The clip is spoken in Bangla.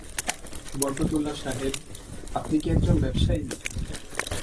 বরকতউল্লাহ সাহেব, আপনি কি এক জন ব্যবসায়ী?